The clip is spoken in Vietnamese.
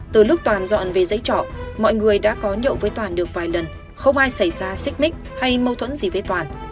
từ lúc toàn dọn về giấy trọ mọi người đã có nhậu với toàn được vài lần không ai xảy ra xích mích hay mâu thuẫn gì với toàn